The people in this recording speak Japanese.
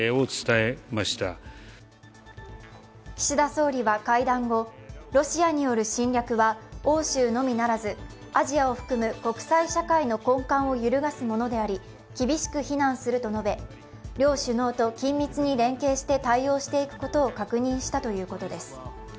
岸田総理は会談後、ロシアによる侵略は欧州のみならずアジアを含む国際社会の根幹を揺るがすもので厳しく非難すると述べ両首脳と緊密に連携して対応していくことを確認したということです。